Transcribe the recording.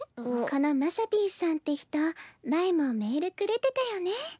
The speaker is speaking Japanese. このまさぴーさんって人前もメールくれてたよね。